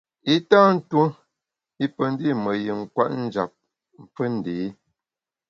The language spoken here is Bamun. I tâ tuo i pe ndi’ me yin kwet njap fe ndé.